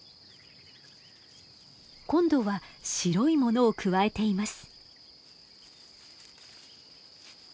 今度は白いものをくわえています。